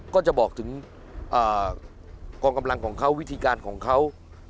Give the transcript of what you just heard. ก็จะบอกถึงกองกำลังของเขาวิธีการของเขา